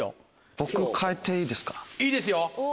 いいですよ。